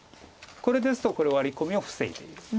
これですとこれワリコミを防いでいる。